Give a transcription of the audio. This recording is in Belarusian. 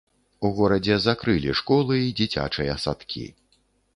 У горадзе закрылі школы і дзіцячыя садкі.